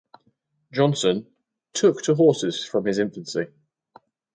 Johnson "took to horses from his infancy".